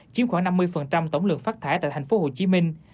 chiếm khoảng năm mươi tổng lượng phát thải tại thành phố hồ chí minh